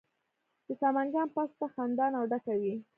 د سمنګان پسته خندان او ډکه وي.